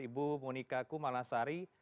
ibu monika kumalasari